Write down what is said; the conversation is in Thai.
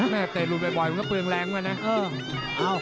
ไม่เคยลุดบ่อยก็เริงแรงกว่านะ